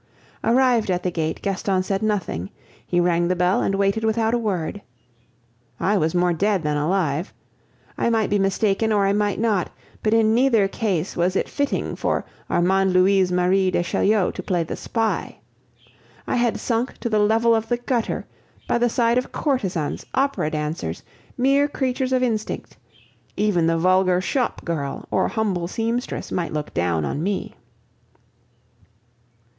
Arrived at the gate, Gaston said nothing; he rang the bell and waited without a word. I was more dead than alive. I might be mistaken or I might not, but in neither case was it fitting for Armande Louise Marie de Chaulieu to play the spy. I had sunk to the level of the gutter, by the side of courtesans, opera dancers, mere creatures of instinct; even the vulgar shop girl or humble seamstress might look down on me.